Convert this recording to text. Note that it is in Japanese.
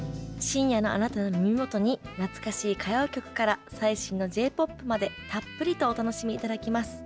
深夜のあなたの耳元に懐かしい歌謡曲から最新のＪ−ＰＯＰまでたっぷりとお楽しみ頂きます。